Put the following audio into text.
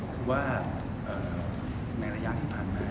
คือว่าในระยะที่ผ่านมา